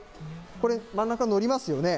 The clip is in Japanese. これ、真ん中乗りますよね。